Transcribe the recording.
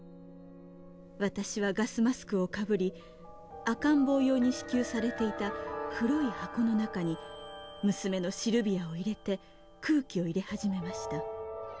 私はガスマスクをかぶり赤ん坊用に支給されていた黒い箱の中に娘のシルビアを入れて空気を入れ始めました。